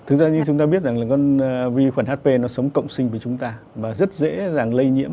thực ra như chúng ta biết rằng là con vi khuẩn hp nó sống cộng sinh với chúng ta và rất dễ dàng lây nhiễm